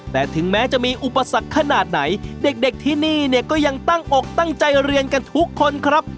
แต่ถึงแม้จะมีอุปสรรคขนาดไหนเด็กที่นี่เนี่ยก็ยังตั้งอกตั้งใจเรียนกันทุกคนครับ